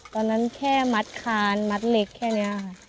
ตอนนั้นแค่มัดคานมัดเหล็กแค่นี้ค่ะ